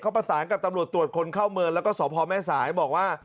ประสานกับตำรวจตรวจคนเข้าเมืองแล้วก็สพแม่สายบอกว่า